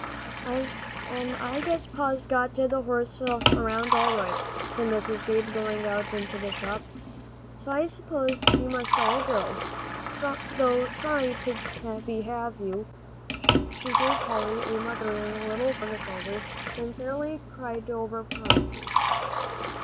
"An' I guess Pa's got the horse around all right," said Mrs. Beebe, going out into the shop, "so I s'pose you all must go, though sorry I be to have you." She gave Polly a motherly little pat on the shoulder, and fairly cried over Phronsie.